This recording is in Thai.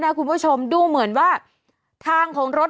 วันนี้จะเป็นวันนี้